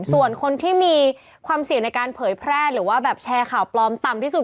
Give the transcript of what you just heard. ส่วนคนที่มีความเสี่ยงในการเผยแพร่หรือว่าแบบแชร์ข่าวปลอมต่ำที่สุด